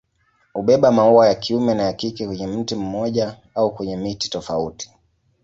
Hubeba maua ya kiume na ya kike kwenye mti mmoja au kwenye miti tofauti.